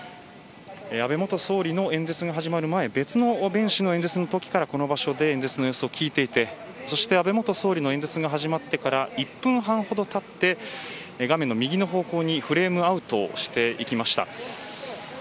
安倍元総理の演説が始まる前別の演説のときからこの場所で演説を聞いていて安倍元総理の演説が始まってから１分半ほどたって画面の右方向にフレームアウトしていきました。